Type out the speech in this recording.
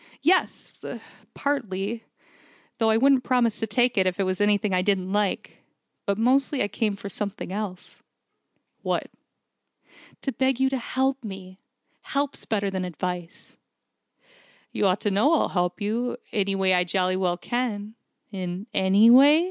"Yes, partly. Though I wouldn't promise to take it if it was anything I didn't like. But mostly I came for something else." "What?" "To beg you to help me. Help's better than advice." "You ought to know I'll help you, in any way I jolly well can " "In any way?"